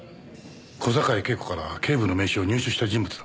小坂井恵子から警部の名刺を入手した人物だ。